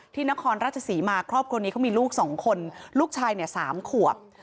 ที่นครราชศรีมารอบคนนี้ก็มีลูกสองคนลูกชายเนี่ยสามขวบ